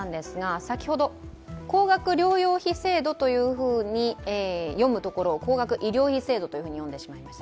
先ほど高額療養費制度と読むところを高額医療費制度というふうに読んでしまいました。